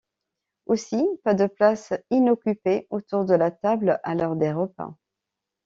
Aussi, pas de place inoccupée autour de la table, à l’heure des repas.